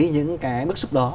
những cái bức xúc đó